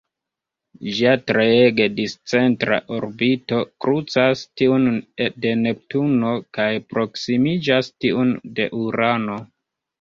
Ĝia treege discentra orbito krucas tiun de Neptuno kaj proksimiĝas tiun de Urano.